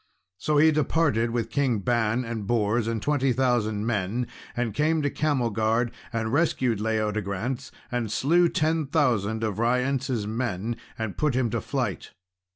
So he departed with Kings Ban and Bors and twenty thousand men, and came to Camelgard, and rescued Leodegrance, and slew ten thousand of Ryence's men and put him to flight.